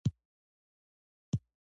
د غوښې خوراک د بدن د عضلاتو لپاره مهم دی.